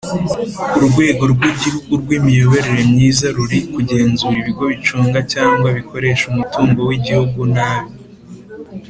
Urwego rw Igihugu rw Imiyoborere myiza ruri kugenzura ibigo bicunga cyangwa bikoresha umutungo w’ igihugu nabi